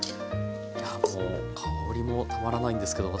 この香りもたまらないんですけど。